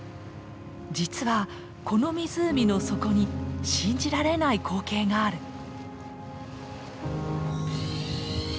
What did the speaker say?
実はこの湖の底に信じられない光景がある。